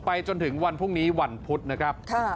จนถึงวันพรุ่งนี้วันพุธนะครับ